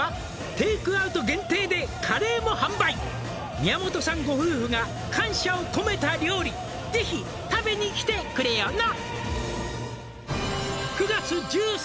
「テイクアウト限定でカレーも販売」「宮本さんご夫婦が感謝を込めた料理」「是非食べに来てくれよな！」